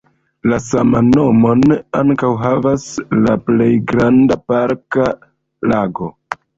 La saman nomon ankaŭ havas la plej granda parka lago.